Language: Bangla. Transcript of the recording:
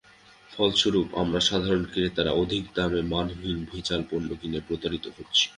ফলস্বরূপ আমরা সাধারণ ক্রেতারা অধিক দামে মানহীন ভেজাল পণ্য কিনে প্রতারিত হচ্ছি।